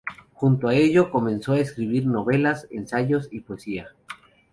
Junto a ello comenzó a escribir novelas, ensayos y poesía.